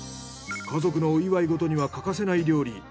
家族のお祝いごとには欠かせない料理。